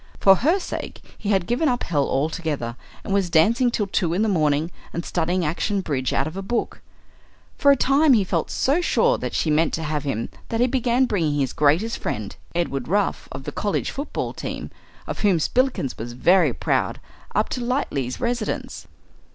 For her sake he had given up hell altogether, and was dancing till two in the morning and studying action bridge out of a book. For a time he felt so sure that she meant to have him that he began bringing his greatest friend, Edward Ruff of the college football team, of whom Spillikins was very proud, up to the Lightleighs' residence.